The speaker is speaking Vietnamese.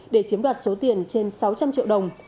để chiếm đoạt số tiền trên sáu trăm linh triệu đồng